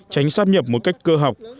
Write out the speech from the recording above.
tránh sắp nhập một cách cơ học